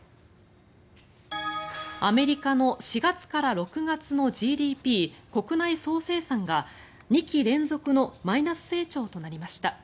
アメリカの４月から６月のＧＤＰ・国内総生産が２期連続のマイナス成長となりました。